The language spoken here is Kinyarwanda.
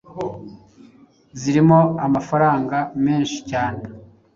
zirimo amafaranga mesnhi cyane